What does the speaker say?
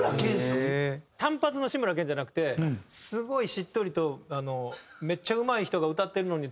単発の志村けんじゃなくてすごいしっとりとめっちゃうまい人が歌ってるのに。